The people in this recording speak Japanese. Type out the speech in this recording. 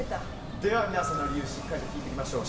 では皆さんの理由をしっかり聞いていきましょう。